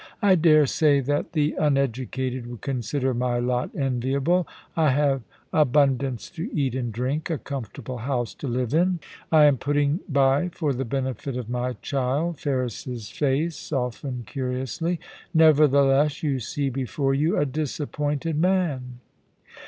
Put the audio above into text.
I dare say that the un educated would consider my lot enviable. I have abund ance to eat and drink — a comfortable house to live in ; I 2 — 2 20 POLICY AND PASSIOS, am putting by for the benefit of my child '— Ferris's face softened curiously — 'nevertheless, you see before you a disappointed man.'